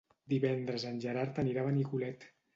Divendres en Gerard anirà a Benicolet.